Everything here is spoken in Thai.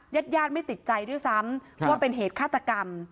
ญาติญาติไม่ติดใจด้วยซ้ำว่าเป็นเหตุฆาตกรรม